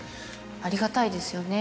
ありがたいですよね